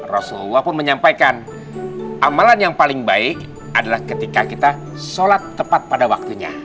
rasulullah pun menyampaikan amalan yang paling baik adalah ketika kita sholat tepat pada waktunya